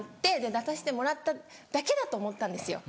出さしてもらっただけだと思ったんですよ。